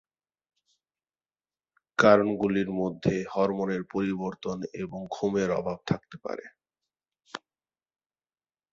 কারণগুলির মধ্যে হরমোনের পরিবর্তন এবং ঘুমের অভাব থাকতে পারে।